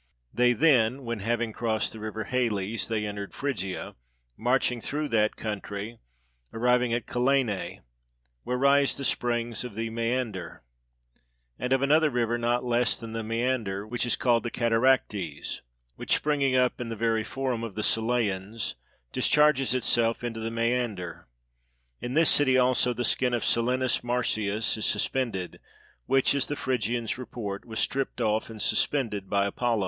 They then, when having crossed the river Halys they entered Phrygia, marching through that country, arrived at Celaenae, where rise the springs of the Maeander, and of another river not less than the Mseander, which is called the Catarractes, which, springing up in the very fonun of the Cela^nians, discharges itself into the Maeander; in this city, also, the skin of Silenus Marsyas is suspended, which, as the Phrygians report, was stripped off and suspended by Apollo.